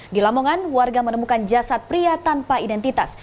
di lamongan warga menemukan jasad pria tanpa identitas